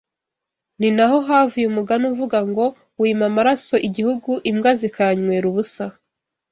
Ni na ho havuye umugani uvuga ngo Wima amaraso Igihugu imbwa zikayanywera ubusa